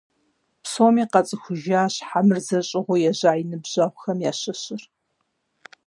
Псоми къацӀыхужащ Хьэмырзэ щӀыгъуу ежьа и ныбжьэгъухэм ящыщыр.